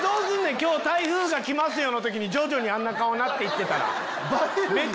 今日台風が来ますよの時に徐々にあんな顔になって行ってたら。